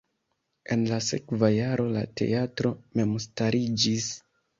En la sekva jaro la teatro memstariĝis.